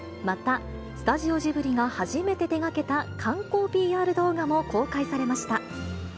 また、スタジオジブリが初めて手がけた観光ＰＲ動画も公開されました。